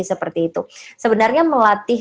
seperti itu sebenarnya melatih